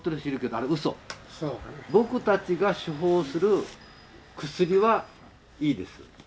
僕たちが処方する薬はいいです。